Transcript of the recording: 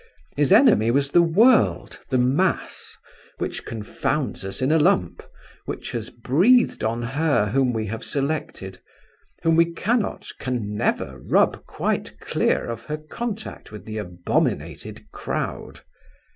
His enemy was the world, the mass, which confounds us in a lump, which has breathed on her whom we have selected, whom we cannot, can never, rub quite clear of her contact with the abominated crowd.